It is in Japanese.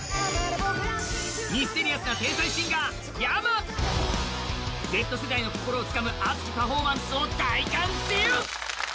ミステリアスな天才シンガー、ｙａｍａＺ世代の心をつかむ熱きパフォーマンスが集結。